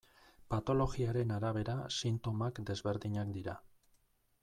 Patologiaren arabera sintomak desberdinak dira.